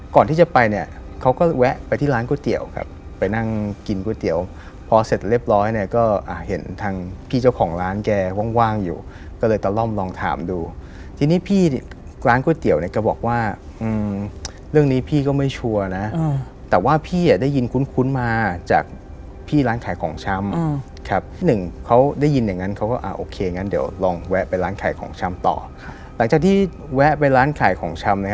ก่อนที่จะไปเนี่ยเขาก็แวะไปที่ร้านก๋วยเตี๋ยวครับไปนั่งกินก๋วยเตี๋ยวพอเสร็จเรียบร้อยเนี่ยก็เห็นทางพี่เจ้าของร้านแกว้างอยู่ก็เลยตะล่อมลองถามดูทีนี้พี่ร้านก๋วยเตี๋ยวเนี่ยก็บอกว่าเรื่องนี้พี่ก็ไม่ชัวร์นะแต่ว่าพี่อ่ะได้ยินคุ้นมาจากพี่ร้านขายของชำครับหนึ่งเขาได้ยินอย่างนั้นเขาก็อ่า